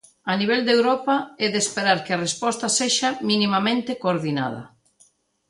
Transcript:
A nivel de Europa é de esperar que a resposta sexa minimamente coordinada.